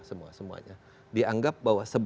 semuanya dianggap bahwa